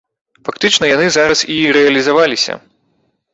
Фактычна яны зараз і рэалізаваліся.